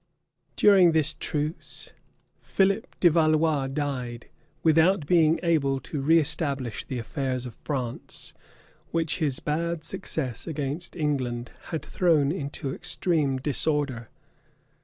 } During this truce, Philip de Valois died, without being able to reestablish the affairs of France, which his bad success against England had thrown into extreme disorder.